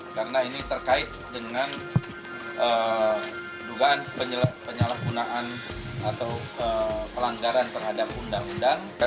karena ini terkait dengan dugaan penyelakunaan atau pelanggaran terhadap undang undang